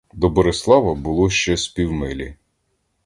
До Борислава було ще з півмилі.